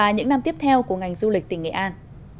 những năm tiếp theo của ngành du lịch tỉnh nghệ an